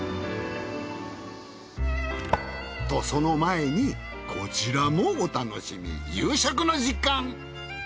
とその前にこちらもお楽しみ夕食の時間。